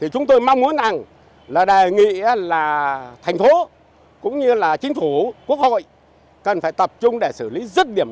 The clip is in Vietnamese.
chúng tôi mong muốn đề nghị thành phố cũng như chính phủ quốc hội cần phải tập trung để xử lý rứt điểm